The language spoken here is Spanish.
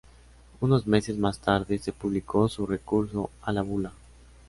Unos meses más tarde se publicó su recurso a la bula.